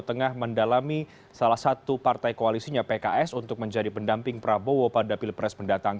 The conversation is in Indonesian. tengah mendalami salah satu partai koalisinya pks untuk menjadi pendamping prabowo pada pilpres mendatang